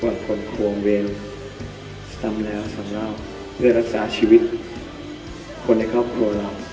ส่วนคนควงเวรซ้ำแล้วสำหรับเพื่อรักษาชีวิตคนในครอบครัวเรา